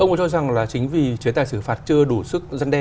ông có cho rằng là chính vì chiến tài xử phạt chưa đủ sức giăn đe